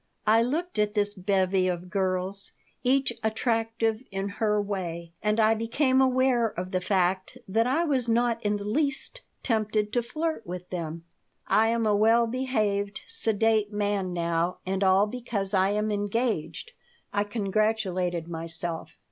I looked at this bevy of girls, each attractive in her way, and I became aware of the fact that I was not in the least tempted to flirt with them. "I am a well behaved, sedate man now, and all because I am engaged," I congratulated myself.